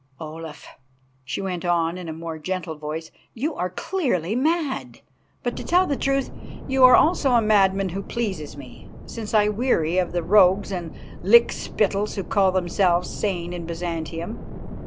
"Olaf," she went on in a more gentle voice, "you are clearly mad; but, to tell truth, you are also a madman who pleases me, since I weary of the rogues and lick spittles who call themselves sane in Byzantium.